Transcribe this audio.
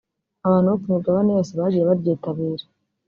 abantu bo ku migabane yose bagiye baryitabira